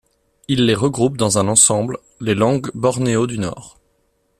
Il les regroupe dans un ensemble, les langues bornéo du Nord.